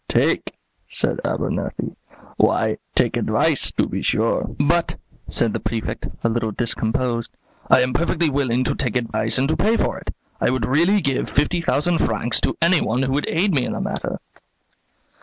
"'Take!' said Abernethy, 'why, take advice, to be sure.'" "But," said the Prefect, a little discomposed, "I am perfectly willing to take advice and to pay for it. I would really give fifty thousand francs to anyone who would aid me in the matter."